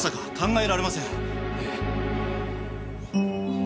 ええ。